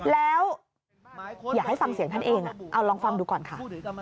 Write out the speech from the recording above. แล้วอยากให้ฟังเสียงท่านเองเอาลองฟังดูก่อนค่ะ